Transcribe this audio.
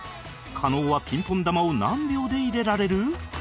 加納はピンポン球を何秒で入れられる？